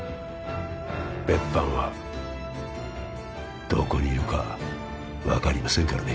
別班はどこにいるか分かりませんからね